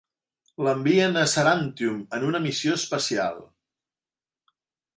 L'envien a Sarantium en una missió especial.